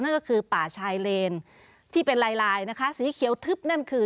นั่นก็คือป่าชายเลนที่เป็นลายลายนะคะสีเขียวทึบนั่นคือ